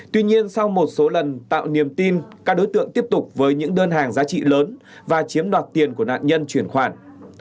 tuy nhiên sau một số lần tạo niềm tin các đối tượng tiếp tục với những đơn hàng giá trị lớn và chiếm đoạt tiền của nạn nhân chuyển khoản